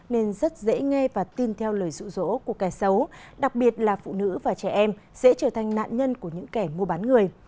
nên rất dễ nghe và tin theo lời rụ rỗ của kẻ xấu đặc biệt là phụ nữ và trẻ em sẽ trở thành nạn nhân của những kẻ mua bán người